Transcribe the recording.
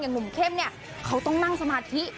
หนุ่มเข้มเนี่ยเขาต้องนั่งสมาธิ